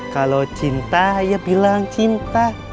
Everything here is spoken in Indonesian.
kalau cinta ya bilang cinta